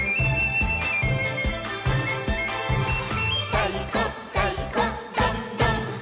「たいこたいこどんどん」